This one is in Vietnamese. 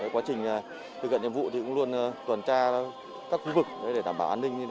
quá trình thực hiện nhiệm vụ thì cũng luôn tuần tra các khu vực để đảm bảo an ninh